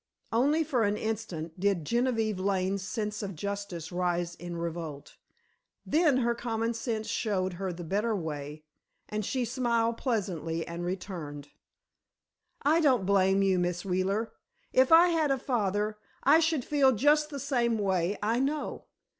Only for an instant did Genevieve Lane's sense of justice rise in revolt, then her common sense showed her the better way, and she smiled pleasantly and returned: "I don't blame you, Miss Wheeler. If I had a father, I should feel just the same way, I know.